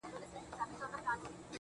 ډک گيلاسونه دي شرنگيږي، رېږدي بيا ميکده.